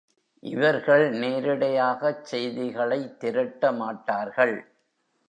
இவர்கள் நேரிடையாகச் செய்திகளைத் திரட்டமாட்டார்கள்.